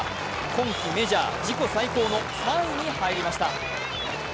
今季、メジャー自己最高の３位に入りました。